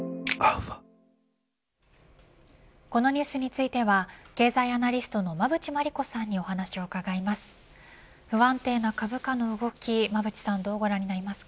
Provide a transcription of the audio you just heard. このニュースについては経済アナリストの馬渕磨理子さんにお話を伺います